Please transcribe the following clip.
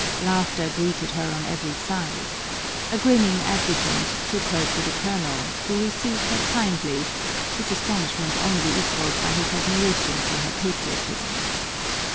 Laughter greeted her on every side. A grinning adjutant took her to the Colonel, who received her kindly, his astonishment only equalled by his admiration for her patriotism.